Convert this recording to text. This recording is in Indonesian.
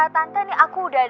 tante nih aku udah dateng